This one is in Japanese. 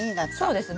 そうです。